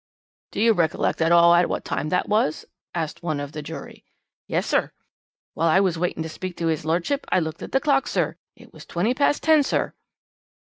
"'Do you recollect at all at what time that was?' asked one of the jury. "'Yes, sir, while I was waiting to speak to 'is lordship I looked at the clock, sir; it was twenty past ten, sir.'